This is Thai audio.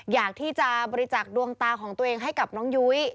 อยากที่จะบริจักษ์ดวงตาของตัวเองให้กับน้องยุ้ย